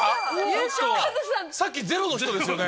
カズちゃん⁉さっきゼロの人ですよね？